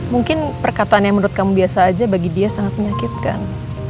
mungkin perkataan yang menurut kamu biasa aja bagi dia sangat menyakitkan